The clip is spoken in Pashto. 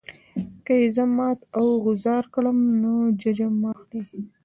که یې زه مات او غوځار کړم نو ججه مه اخلئ.